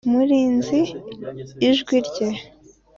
nari nzi ijwi rye